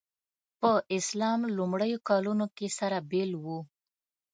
په اسلام لومړیو کلونو کې سره بېل وو.